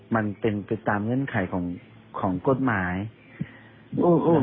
มันเป็นติดตามเงื่อนไขของของกฎหมายอืม